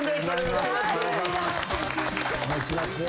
お願いします。